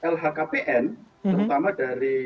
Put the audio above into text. lhkpn terutama dari